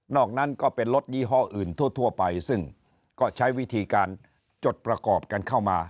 นั้นก็เป็นรถยี่ห้ออื่นทั่วไปซึ่งก็ใช้วิธีการจดประกอบกันเข้ามา